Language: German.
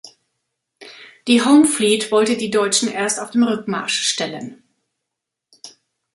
Die Home Fleet wollte die Deutschen erst auf dem Rückmarsch stellen.